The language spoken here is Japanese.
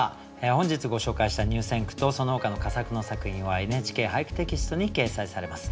本日ご紹介した入選句とそのほかの佳作の作品は「ＮＨＫ俳句」テキストに掲載されます。